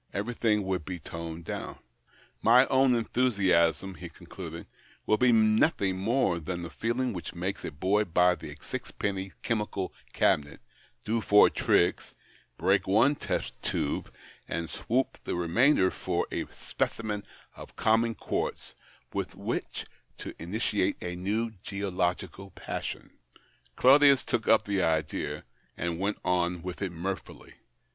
Everything would be toned down. " My own enthusiasm," he concluded, " would be nothing more than the feeling which makes a boy buy the sixpenny chemical cabinet, do lour tricks, l)reak one test tube, and swop the remainder for a specimen of common quartz with which to initiate a new geological passion." Claudius took up the idea, and went on with it mirthfully.